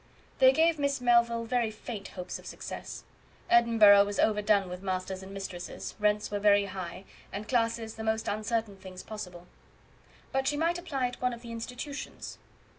They gave Miss Melville very faint hopes of success. Edinburgh was overdone with masters and mistresses, rents were very high, and classes the most uncertain things possible. But she might apply at one of the institutions.